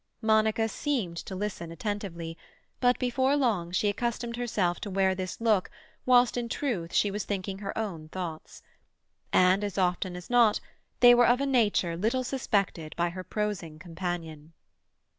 Monica seemed to listen attentively, but before long she accustomed herself to wear this look whilst in truth she was thinking her own thoughts. And as often as not they were of a nature little suspected by her prosing companion.